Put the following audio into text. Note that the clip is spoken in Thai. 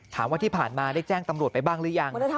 ถามว่าที่ผ่านมาได้แจ้งตำรวจไปบ้างหรือยัง